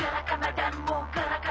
kalian akan kalah